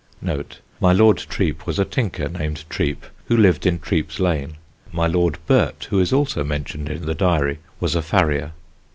[My Lord Treep was a tinker named Treep who lived in Treep's Lane. My Lord Burt, who is also mentioned in the diary, was a farrier.